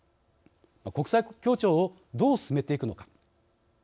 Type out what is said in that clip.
国際協調をどう進めていくのか。